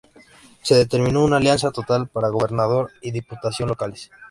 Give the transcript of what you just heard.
Se determinó una alianza total para gobernador y diputaciones locales.